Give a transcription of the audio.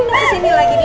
ndina kesini lagi